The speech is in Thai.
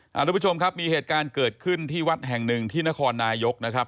คุณผู้ชมครับมีเหตุการณ์เกิดขึ้นที่วัดแห่งหนึ่งที่นครนายกนะครับ